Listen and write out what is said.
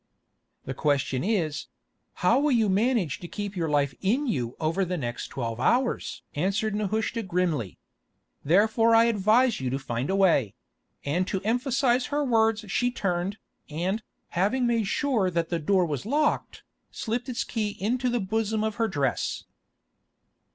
"The question is—how will you manage to keep your life in you over the next twelve hours?" answered Nehushta grimly. "Therefore I advise you to find a way"; and to emphasise her words she turned, and, having made sure that the door was locked, slipped its key into the bosom of her dress.